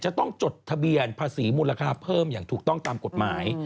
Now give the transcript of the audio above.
จดทะเบียนภาษีมูลค่าเพิ่มอย่างถูกต้องตามกฎหมาย